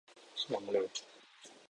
ยังเลย